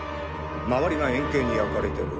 周りが円形に焼かれてる。